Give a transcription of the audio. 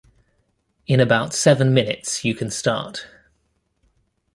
In about seven minutes you can start.